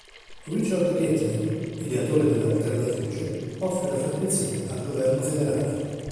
Richard Gatling, ideatore della mitragliatrice, offre la sua invenzione al Governo Federale.